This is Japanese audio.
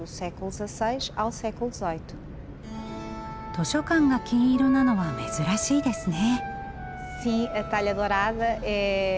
図書館が金色なのは珍しいですね。